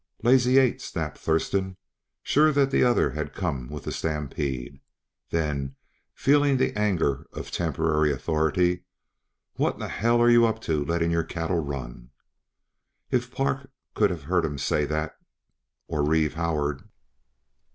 "The Lazy Eight!" snapped Thurston, sure that the other had come with the stampede. Then, feeling the anger of temporary authority, "What in hell are you up to, letting your cattle run?" If Park could have heard him say that for Reeve Howard!